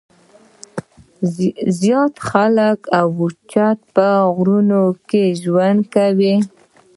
زيات خلک اوچت پۀ غرونو کښې ژوند کوي ـ